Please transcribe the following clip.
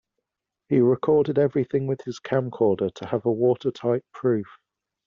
He recorded everything with his camcorder to have a watertight proof.